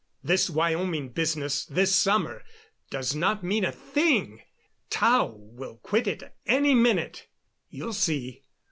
This Wyoming business this summer does not mean a thing Tao will quit it any minute. You'll see.